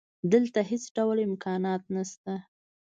دلته هېڅ ډول امکانات نشته